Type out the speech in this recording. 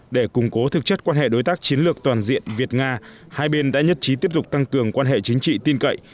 để củng cố thực chất quan hệ đối tác chiến lược toàn diện việt nga hai bên đã nhất trí tiếp tục tăng cường quan hệ chính trị tin cậy